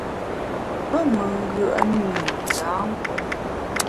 Pe me ngùe’ne i yâ nkùot.